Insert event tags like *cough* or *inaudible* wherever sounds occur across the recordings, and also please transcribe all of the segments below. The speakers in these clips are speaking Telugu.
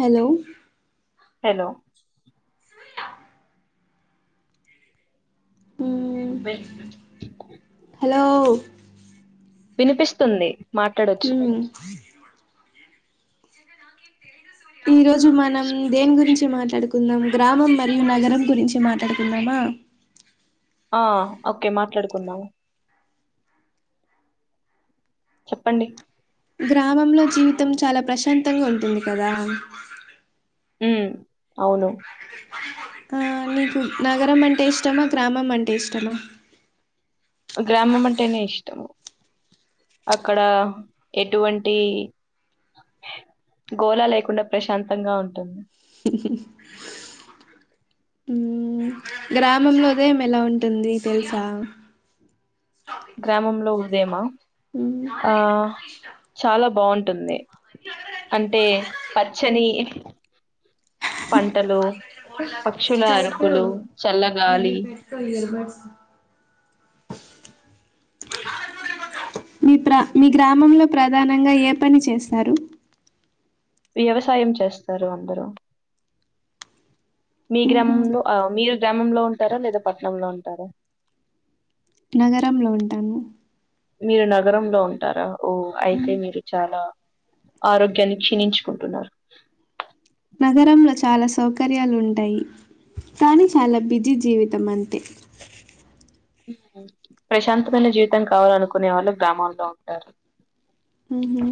హలో హలో మ్మ్ బే *inaudible* హలో వినిపిస్తుంది మాట్లాడొచ్చు. మ్మ్ ఈ రోజు మనం దేని గురించి మాట్లాడుకుందాం, గ్రామం మరియు నగరం గురించి మాట్లాడుకుందామా. ఆ ఓకే మాట్లాడుకుందాము. చెప్పండి. గ్రామంలో జీవితం చాలా ప్రశాంతంగా ఉంటుంది కదా. ఉ అవును. ఆ నీకు నగరం అంటే ఇష్టమా, గ్రామం అంటే ఇష్టమా? గ్రామం అంటేనే ఇష్టము. అక్కడ ఎటువంటి గోలా లేకుండా ప్రశాంతంగా ఉంటుంది. మ్మ్ గ్రామంలో ఉదయం ఎలా ఉంటుంది తెలుసా. గ్రామంలో ఉదయమా మ్మ్ ఆ చాలా బావుం టుంది. అంటే పచ్చని పంటలు పక్షుల అరుపులు ఈవ చల్లగాలి పెడ్ ఇయర్బెడ్స్ మీ ప్ర మీ గ్రామంలో ప్రధానంగా ఏ పని చేస్తారు. వ్యవసాయం చేస్తారు అందరూ మీ మ్మ్ గ్రామంలో ఆ మీరు గ్రామంలో ఉంటారా లేదా పట్టణంలో ఉంటారా. నగరంలో ఉంటాను. మీరు నగరంలో ఉంటారా, ఓ అయితే మ్మ్ మీరు చాలా ఆరోగ్యాన్ని క్షీణించుకుంటున్నారు. నగరంలో చాలా సౌకర్యాలు ఉంటాయి. కానీ చాలా బిజీ జీవితం అంతే. ప్రశాంతమైన జీవితం కావాలనుకునే వాళ్ళు గ్రామంలో ఉంటారు. హుహ్ అ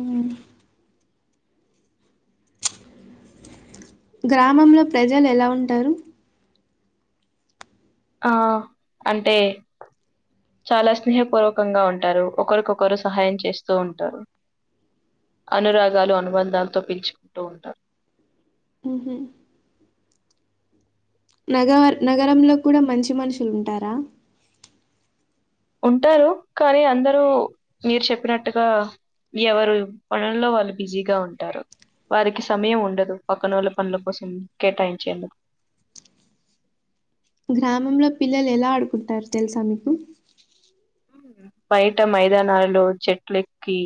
గ్రామంలో ప్రజలు ఎలా ఉంటారు? ఆ అంటే చాలా స్నేహపూర్వకంగా ఉంటారు ఒకరికొకరు సహాయం చేస్తూ ఉంటారు అనురాగాలు అనుబంధాలతో పిచుకుంటూ ఉంటారు ఉహ్రా నగ నగరంలో కూడా మంచి మనుషులు ఉంటారా ఉంటారు కానీ అందరూ మీరు చెప్పినట్టుగా ఎవరు పనుల్లో వాళ్ళు బిజీగా ఉంటారు వారికి సమయం ఉండదు పక్కన వాళ్ళ పనుల కోసం కేటాయించేందుకు గ్రామంలో పిల్లలు ఎలా ఆడుకుంటారు తెలుసా మీకు బయట మైదానాలలో చెట్లెక్కి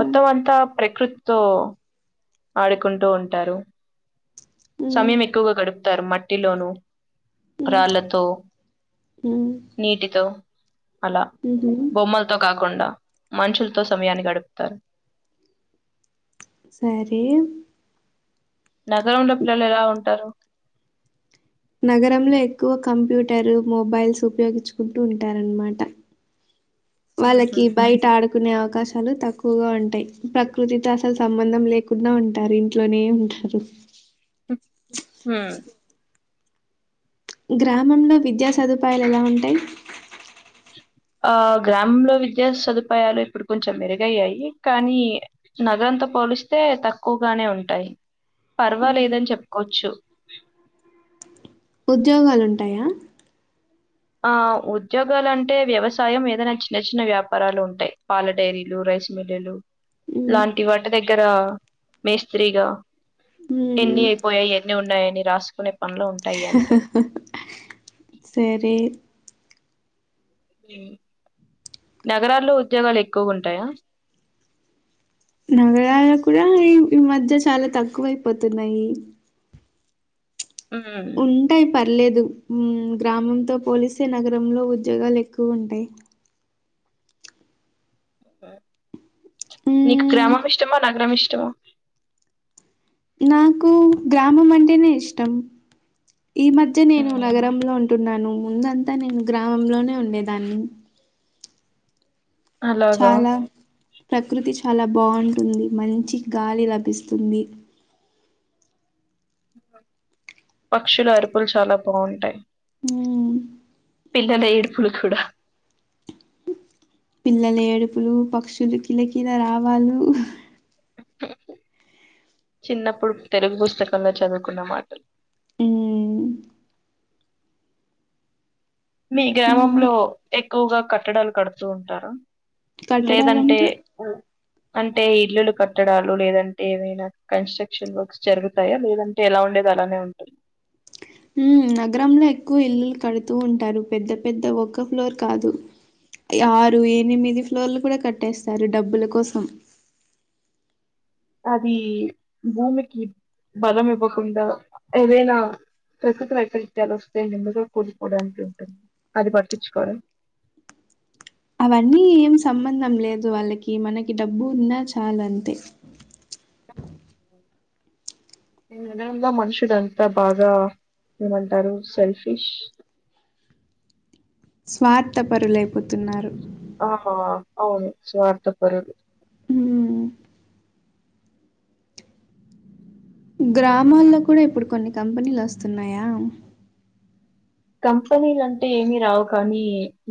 హ్మ్. అంతా ప్రకృతితో ఆడుకుంటూ ఉంటారు హ్మ్. సమయం ఎక్కువగా గడుపుతారు మట్టిలోనూ రాళ్లతో అ తుఅలా బొమ్మల్ తు కాకుండా మనుషులతో సమయాన్ని గడుపుతారు సరే నగరంలో పిల్లలు ఎలా ఉంటారు నగరంలో ఎక్కువ కంప్యూటరు మొబైల్స్ ఉపయోగించుకుంటూ ఉంటారన్నమాట ఉహు. వాళ్ళకి బయట ఆడు నే అవకాశాలు తక్కువగా ఉంటాయి ప్రకృతితో అసలు సంబంధం లేకుండా ఉంటారు ఇంట్లోనే ఉంట రఫ హ గ్రామంలో విద్యా సదుపాయాలు ఎలా ఉంటాయి ఆ గ్రామంలో విద్యా సదుపాయాలు ఇప్పుడు కొంచెం మెరుగయ్యాయి కానీ నగర అంత పోలిస్తే తక్కువగానే ఉంటాయి పర్వాలేదని చెప్పుకోవచ్చు ఉద్యోగాలుంటాయా ఆ ఉద్యోగాలు అంటే వ్యవసాయం ఏదైనా చిన్న చిన్న వ్యాపారాలు ఉంటాయి పాల డైరీలుై మిలలు మ్మ్ లాంటి వాటి దగ్గర మేస్త్రిగా ఎన్ని మ్మ్ అయిపోయాయి ఎన్ని ఉన్నాయని రాసుకునే పనిలు ఉంటాయి అంతే సరే నగరాల్లో ఉద్యోగాలు ఎక్కువ ఉంటాయా నగరాలు కూడా ఈ మధ్య చాలా తక్కువైపోతున్నాయి ఉమ్. ఉంటయి ప పర్లేదు గ్రామంతో పోలిస్తే నగరంలో ఉద్యోగాలు ఎక్కువ ఉంటాయి నీకు మ్మ్ గ్రామం ఇష్టమా నగరం ఇష్టమా నాకు గ్రామం అంటేనే ఇష్టం ఈ మధ్య నేను నగరంలో ఉంటున్నాను ముందంతా నేను గ్రామంలోనే ఉండేదాన్ని అలాగా చాలా ప్రకృతి చాలా బాగుంటుంది మంచి గాలి లభిస్తుంది పక్షులు అరుపులు చాలా బాగుంటాయి మ్మ్ పిల్లా లుఎడుపులు కు డ పిల్లల ఏడుపులు పక్షులు కిల కీల రావాాల చిన్నప్పుడు తెలుగు పుస్తకంలో చదువుకున్న మాటలు హ మీ మ్మ్ గ్రామంలో ఎక్కువగా కట్టడాలు కడుతూ ఉంటార లేదంటే కట్టడాలంటే ఉ అంటే ఇల్లులు కట్టడాలు లేదంటే ఏమైనా కన్స్ట్రక్షన్ వర్క్స్ జరుగుతాయా లేదంటే ఎలా ఉ అండది అలానే ఉంటుంది నగరంలో ఎక్కువ ఇల్లులు కడుతూ ఉంటారు పెద్ద పెద్ద ఒ ఫ్లోర్ కాదు ఆరు ఎనిమిది ఫ్లోర్లు కూడా కట్టేస్తారు డబ్బుల కోసం అది భూమికి బలం ఇవ్వకుండా ఏదైనా ప్రకృతి వైపరీత్యాలు వస్తేయి నింమ కూడుపోవడానికి ఉంటుంది అది పట్టించుకోవడం అవన్నీ ఏం సంబంధం లేదు వాళ్ళకి మనకి డబ్బు ఉన్నా చాలా అంతే నిజంగా మనుషులంతా బాగా ఏమంటారు సెల్ఫిష్ స్వార్థ పరులే ఆ అవును స్వార్థ పరులు హ్మ్ గ్రామాల్లో కూడా ఇప్పుడు కొన్ని కంపెనీలు వస్తున్నాయా కంపెనీలు అంటే ఏమి రావు కానీ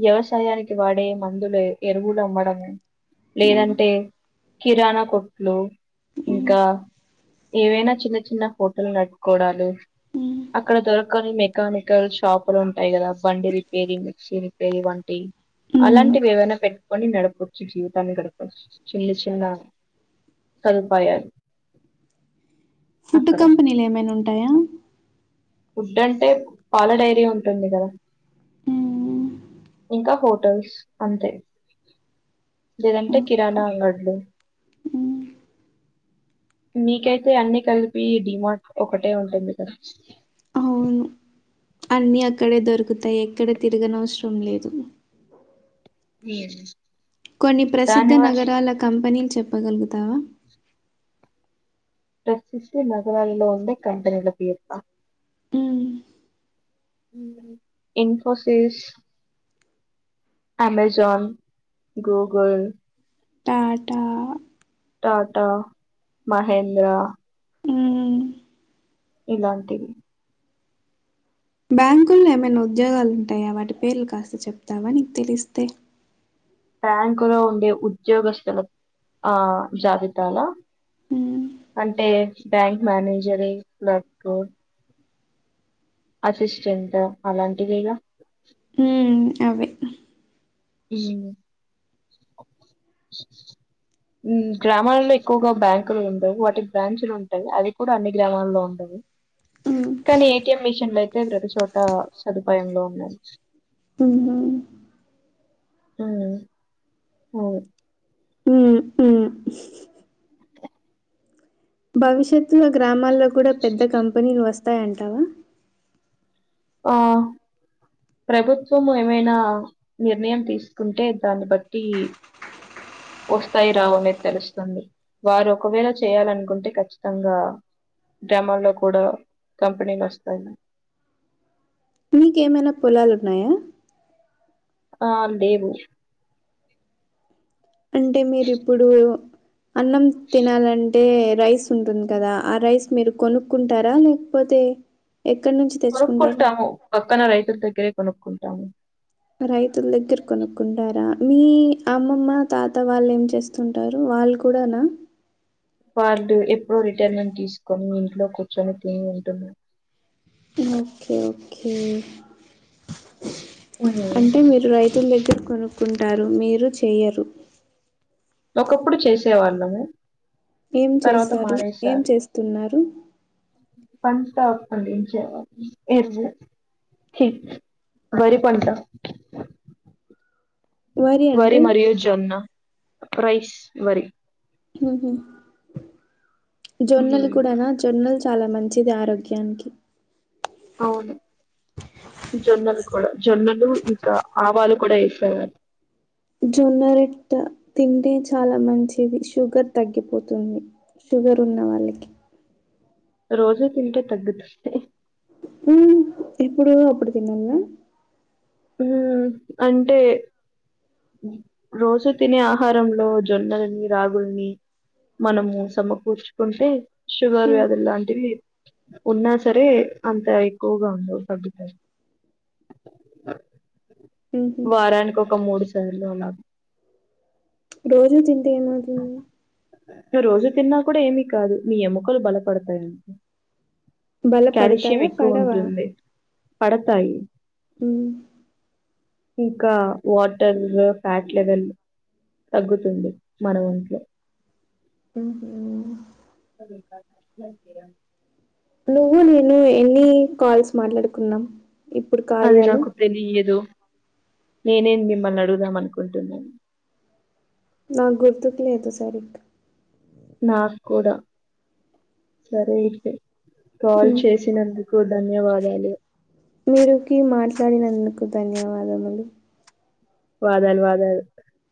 వ్యవసాయానికి వాడే మందులు ఎరువుల మ మ్మ్ లేదంటే కిరాణా కొట్లు మ్మ్ ఇంకా ఏవైనా చిన్న చిన్న హోటల్ నడుపుకోవడాలు మ్మ్ అక్కడ దొరకని మెకానికల్స్ షాపులు ఉంటాయి కదా బండి రిపేరింగ్ ఇచ్చి రిపేరివ్వండి మ్మ్ అలాంటివి ఏవైనా పెట్టుకొని నడపవచ్చు జీవితాన్ని గడపవచ్చు చిన్న చిన్న సన్ఫయర్ ఫుడ్ కంపెనీలు ఏమైనా ఉంటాయా ఫుడ్ అంటే పాల డైరి ఉంటుంది కదా మ్మ్ ఇంకా హోటల్స్ అంతే లేదంటే కిరాణా ఓకే అంగడ్లు మ్మ్ మీకైతే అన్ని కలిపి డిమార్ట్ ఒకటే ఉంటుంది కదా అన్ని అక్కడే దొరుకుతాయి ఎక్కడ తిరగనవసరం లేదు *inaudible* కొన్ని ప్రసిద్ధ దాని వల్ల నగరాల కంపెనీలు చెప్పగలుగుతావా ప్రసిద్ద నగరాలలో ఉండే కంపెని ల పోయత మ్మ్ ఇన్ఫోసిస్ అమెజాన్, గూగల్ టాటా టాటా, మహేంద్రా మ్మ్ ఇలాంటివి. బ్యాంకుల్లో ఏమైనా ఉద్యోగాలుంటాయా వాటి పేర్లు కాస్త చెప్తావా నీకు తెలిస్తే బ్యాంకు లో ఉండే ఉద్యోగస్తుల ఆ జాబితాల హ్మ్. అంటే బ్యాంక్ మేనేజర్ లుక్ అసిస్టెంట్ అలాంటివేగా ఉమ్ అవ్వే *inaudible* గ్రామాలలో ఎక్కువగా బ్యాంకులు ఉండవు వాటి బ్రాంచ్లు ఉంటాయి అది కూడా అన్ని గ్రామాల్లో ఉండవు హ్మ్. *inaudible* కానీ ఏటీఎం మిషన్ లో అయితే ప్రతి చోట సదుపాయంలో ఉన్నా అహ ఆ ఉమ్ హ్మ్. హ్మ్. భవిష్యత్తులో గ్రామాల్లో కూడా పెద్ద కంపెనీలు వస్తాయంటావా. ఆ ప్రభుత్వము ఏమైనా నిర్ణయం తీసుకుంటే దాన్ని బట్టి ఒస్తాయి రావు అనేది తెలుస్తుంది వారు ఒకవేళ చేయాలనుకుంటే ఖచ్చితంగా గ్రామాల్లో కూడా కంపెనీలు ఒస్తాయి నీకేమైనా పొలాలున్నాయా? ఆమ్ దేవి అంటే మీరు ఇప్పుడు అన్నం తినాలన్ టే రైస్ ఉంటుంది కదా! ఆ రైస్ మీరు కొనుక్కుంటారా? లేకపోతే, ఎక్కడి నుంచి తెచ్చుకుంటారు? కొనుక్కుంటాము. పక్కన రైతుల దగ్గరే కొనుక్కుంటాము. రైతుల దగ్గర కొనుక్కుంటారా? మీ అమ్మమ్మ తాత వాళ్ళు ఏం చేస్తుంటారు? వాళ్ళు కూడానా? వార్డు ఎప్పుడో రిటైర్మెంట్ తీసుకొని ఇంట్లో కూర్చొని తిని ఉంటున్నా. Okay okay. ఉమ్. అంటే, మీరు రై తుల దగ్గర కొనుక్కుంటారు మీరు చెయ్యరు. ఒకప్పుడు చేసే వాళ్లమే. ఏం చేస్తారు? ఏం చేస్తున్నారు? పంట పండించేవాళ్లు. ఎర్రె హి వరి పంట వరి మరియు జొన్న. రైస్ వరి. ముహు జొన్నల్ ఉమ్, కూడాన జొన్నల్ చాలా మంచిది. ఆరోగ్యానికి అవును జొన్నలు కూడా జొన్నలు ఇంక ఆవాలు కూడ ఏసేవారు. జొన్నరోట్ట తింటే చాలా మంచిది. షుగర్ తగ్గిపోతుంది. షుగర్ ఉన్న వాళ్ళకి. రోజు తింటే తగ్గుతుంది. మ్. ఎప్పుడో అప్పుడు తినల్ల? ఆ అంటే, రోజు తినే ఆహారంలో జొన్నలని, రాగుల్ని మనము సమకూర్చుకుంటే, షుగర్ ఉమ్ వ్యాధులు లాంటివి ఉన్నా సరే అంత ఎక్కువగా ఉండవు తగ్గుతాయి. ఉహు వారానికి ఒక మూడు సార్లు అలాగ. రోజు తింటె ఏమవుతుంది? రోజు తిన్నా కూడా ఏమీ కాదు. మీ ఎముకలు బలపడతాయి అంతె. కాల్షియం బలపడతాయా ఎక్కువ పడవా ఉంటుంది. పడతాయి. మ్ ఇంకా వాటర్, ఫ్యాట్ లవెల్ తగ్గుతుంది మన ఒంట్లో. మ్ హు సరే కాల్ *unintelligible* నువ్వు నేను ఎన్ని కాల్స్ మాట్లాడుకున్నాం? ఇప్పుడు అది కార్యాలో నాకు తెలియదు. నేనే మిమ్మల్ని అడుగుదాం అనుకుంటున్నాను. నాక్ గుర్తుకులేదు సరిగ్గ నాకు కూడ. సరే అయితే. కాల్ మ్. చేసినందుకు ద ధన్యవాదాలు. కు ధన్యవాదములు. వాదాలు. వాదాలు.